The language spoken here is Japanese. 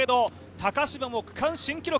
高島も区間新記録。